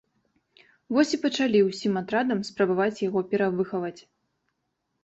Вось і пачалі ўсім атрадам спрабаваць яго перавыхаваць.